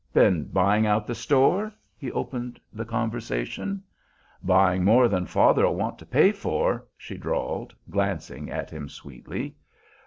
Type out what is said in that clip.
"Been buying out the store?" he opened the conversation. "Buying more than father'll want to pay for," she drawled, glancing at him sweetly.